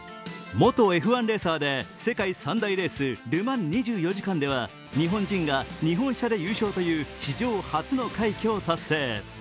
元Ｆ１レーサーで、世界３大レースルマン２４時間では日本人が日本車で優勝という史上初の快挙を達成。